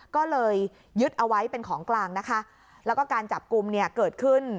ก็เลยยึดเอาไว้เป็นของกลางนะคะแล้วก็การจับกลุ่มเนี่ยเกิดขึ้น